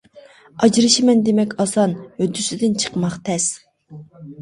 ئاجرىشىمەن دېمەك ئاسان، ھۆددىسىدىن چىقماق تەس.